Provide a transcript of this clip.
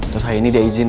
terus hari ini dia izin